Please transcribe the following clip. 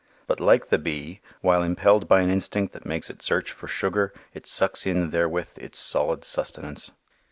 But like the bee, while impelled by an instinct that makes it search for sugar, it sucks in therewith its solid sustenance.